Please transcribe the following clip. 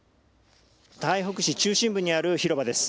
台北市中心部にある広場です。